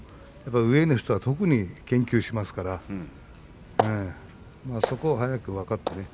上の人は特に研究しますからそこを早く分かってね